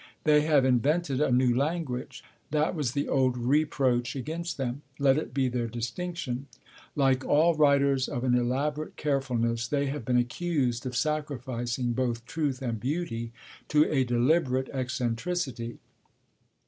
They have invented a new language: that was the old reproach against them; let it be their distinction. Like all writers of an elaborate carefulness, they have been accused of sacrificing both truth and beauty to a deliberate eccentricity.